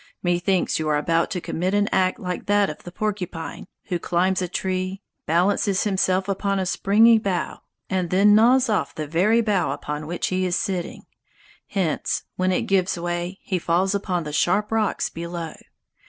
Methinks you are about to commit an act like that of the porcupine, who climbs a tree, balances himself upon a springy bough, and then gnaws off the very bough upon which he is sitting; hence, when it gives way, he falls upon the sharp rocks below.